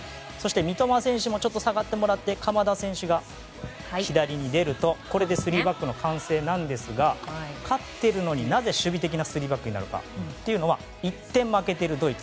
三笘選手ちょっと下がってもらって鎌田選手が左に出るとこれで３バックの完成ですが勝っているのになぜ守備的な３バックになるのかは１点負けているドイツ